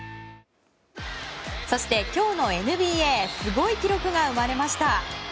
そして今日のＮＢＡすごい記録が生まれました。